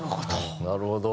なるほど。